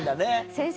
先生